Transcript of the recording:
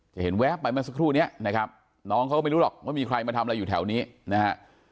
เห็นแว๊บไปเมื่อสักครู่นี้นะครับน้องเขาก็ไม่รู้หรอกว่ามีใครมาทำอะไรอยู่แถวนี้นะฮะ